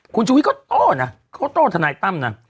คุณชูวิตเขาโต้นท่านายตั้ง